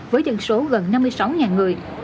với dân số gần năm mươi sáu người